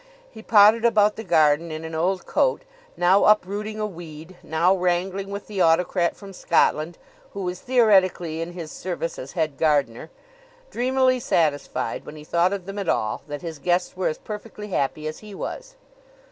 He pottered about the garden in an old coat now uprooting a weed, now wrangling with the autocrat from Scotland, who was theoretically in his service as head gardener dreamily satisfied, when he thought of them at all, that his guests were as perfectly happy as he was.